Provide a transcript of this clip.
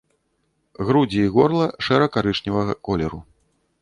Грудзі і горла шэра-карычневага колеру.